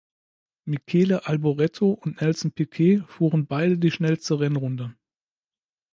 Michele Alboreto und Nelson Piquet fuhren beide die schnellste Rennrunde.